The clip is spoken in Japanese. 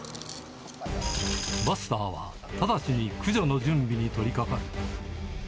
バスターは直ちに駆除の準備に取り掛かる。